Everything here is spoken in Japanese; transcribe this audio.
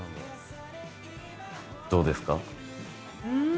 どうですか？